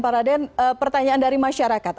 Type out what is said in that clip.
pak raden pertanyaan dari masyarakat